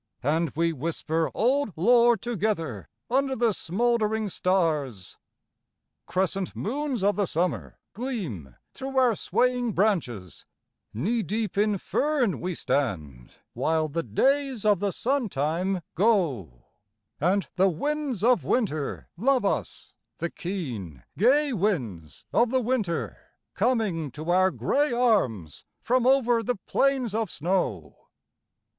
And we whisper old lore together under the smould ering stars. Crescent moons of the summer gleam through our swaying branches, Knee deep in fern we stand while the days of the sun time go ; And the winds of winter love us — the keen, gay winds of the winter, Coming to our gray arms from over the plains of snow.